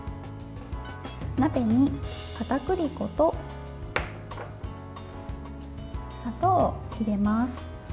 鍋にかたくり粉と砂糖を入れます。